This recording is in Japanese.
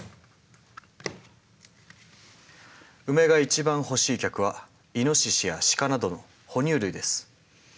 ウメが一番欲しい客はイノシシやシカなどの哺乳類です。